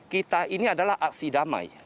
kita ini adalah aksi damai